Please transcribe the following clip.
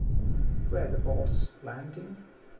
Were the boats landing?